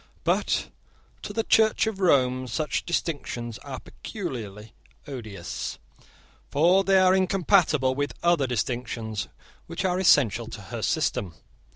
But to the Church of Rome such distinctions are peculiarly odious; for they are incompatible with other distinctions which are essential to her system.